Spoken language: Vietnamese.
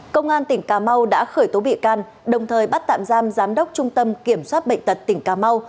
công an tỉnh cà mau đã khởi tố bị can đồng thời bắt tạm giam giám đốc trung tâm kiểm soát bệnh tật tỉnh cà mau